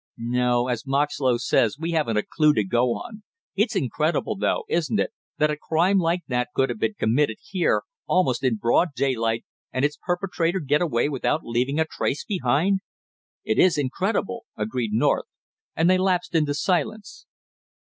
"No, as Moxlow says, we haven't a clue to go on. It's incredible though, isn't it, that a crime like that could have been committed here almost in broad daylight, and its perpetrator get away without leaving a trace behind?" "It is incredible," agreed North, and they lapsed into silence.